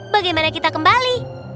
bagaimana kita kembali